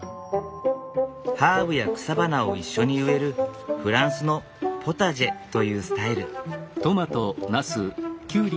ハーブや草花を一緒に植えるフランスのポタジェというスタイル。